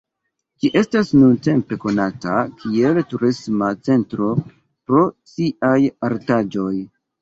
Ĝi estas nuntempe konata kiel turisma centro pro siaj artaĵoj.